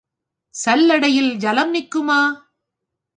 சல்லடையில் ஐலம் நிற்குமா?